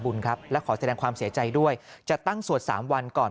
ครับและขอแสดงความเสียใจด้วยจะตั้งสวด๓วันก่อน